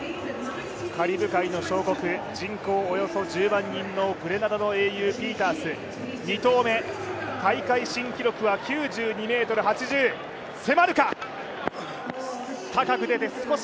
カリブ海の小国、人口およそ１０万人のグレナダの英雄、ピータース、２投目大会新記録は９２ｍ８０、迫るか。